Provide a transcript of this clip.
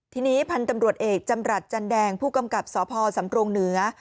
ทีนี้พันธุ์ตำรวจเอกจำรัฐจันแดงผู้กำกับสพสำรงเหนือ